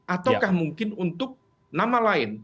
ataukah mungkin untuk nama lain